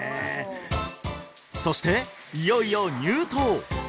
そしていよいよ入湯！